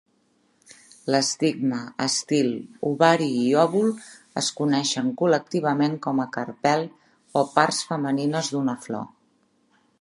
L'estigma, estil, ovari i òvul es coneixen col·lectivament com carpel o parts femenines d'una flor.